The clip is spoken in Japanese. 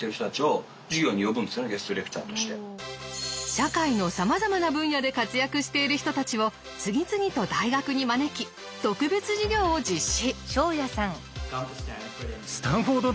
社会のさまざまな分野で活躍している人たちを次々と大学に招き特別授業を実施。